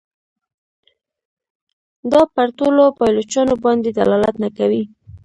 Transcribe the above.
دا پر ټولو پایلوچانو باندي دلالت نه کوي.